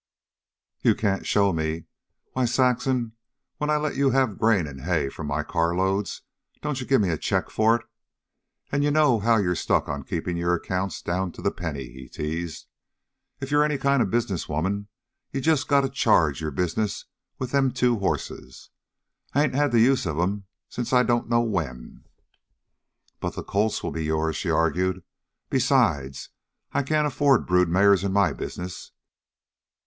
"You can't show me. Why, Saxon, when I let you have grain an' hay from my carloads, don't you give me a check for it? An' you know how you're stuck on keepin' your accounts down to the penny," he teased. "If you're any kind of a business woman you just gotta charge your business with them two horses. I ain't had the use of 'em since I don't know when." "But the colts will be yours," she argued. "Besides, I can't afford brood mares in my business.